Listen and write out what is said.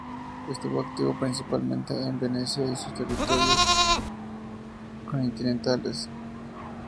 Estuvo activo principalmente en Venecia y sus territorios continentales.